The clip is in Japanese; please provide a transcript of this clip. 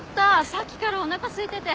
さっきからおなかすいてて。